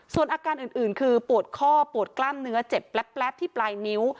ส่วนอาการอื่นคือปวดข้อปวดกล้ามเนื้อเจ็บแป๊บที่ปลายนิ้ว